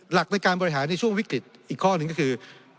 หลักในการบริหารในช่วงวิกฤตอีกข้อหนึ่งก็คือ